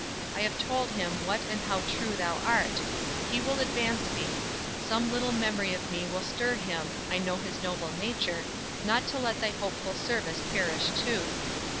I have told him What and how true thou art; he will advance thee; Some little memory of me will stir him (I know his noble nature) not to let Thy hopeful service perish too.